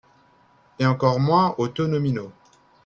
Et encore moins aux taux nominaux.